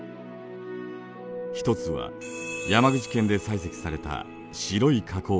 １つは山口県で採石された白い花こう岩。